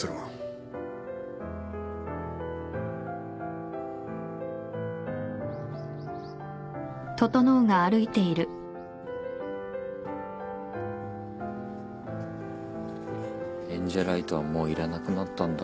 エンジェライトはもういらなくなったんだ。